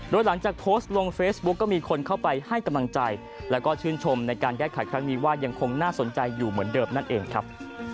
โดยหลังจากโพสต์ลงเฟซบุ๊กก็มีคนเข้าไปให้กำลังใจแล้วก็ชื่นชมในการแก้ไขครั้งนี้ว่ายังคงน่าสนใจอยู่เหมือนเดิมนั่นเองครับ